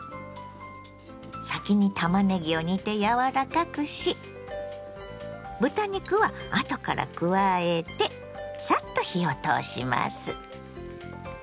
先にたまねぎを煮て柔らかくし豚肉は後から加えてサッと火を通します。